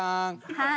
はい。